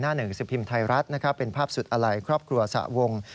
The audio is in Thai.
หน้าหนึ่งสิบพิมพ์ไทยรัฐเป็นภาพสุดอลัยครอบครัวสะวง